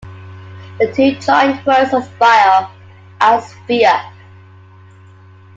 The two joined words are "bio" and "sphere".